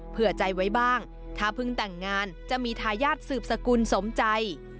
เผื่อใจไว้บ้างถ้าเพิ่งแต่งงานจะมีทายาทสืบสกุลสมใจ